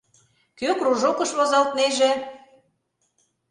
Кӧ кружокыш возалтнеже?